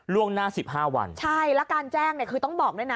ล่วงหน้าสิบห้าวันใช่แล้วการแจ้งเนี่ยคือต้องบอกด้วยนะ